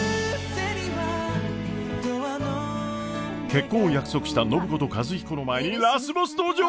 結婚を約束した暢子と和彦の前にラスボス登場！？